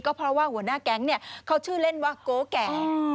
เพราะว่าหัวหน้าแก๊งเนี่ยเขาชื่อเล่นว่าโกแก่